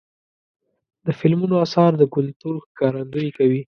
د فلمونو اثار د کلتور ښکارندویي کوي.